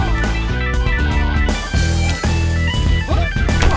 kau harus hafal penuh ya